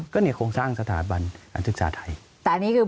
ก็นี่คงสร้างสถาบันการศึกษาไทย